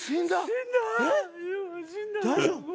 大丈夫？